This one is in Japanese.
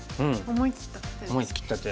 思い切った手。